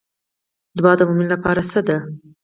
دعا د مومن لپاره څه ده؟